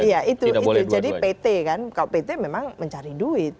iya itu jadi pt kan kalau pt memang mencari duit